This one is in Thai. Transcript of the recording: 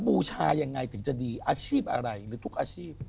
บูชายังไงถึงจะดีอาชีพอะไรหรือทุกอาชีพ